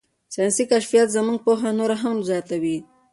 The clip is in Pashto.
ساینسي کشفیات زموږ پوهه نوره هم زیاتوي.